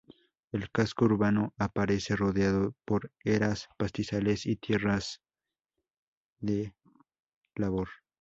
El casco urbano aparece rodeado por eras, pastizales y tierras de labor.